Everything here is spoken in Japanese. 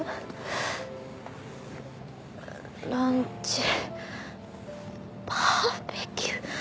「ランチ」「バーベキュー」。